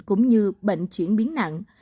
cũng như bệnh chuyển biến nặng